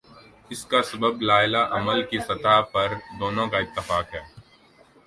اس کا سبب لائحہ عمل کی سطح پر دونوں کا اتفاق ہے۔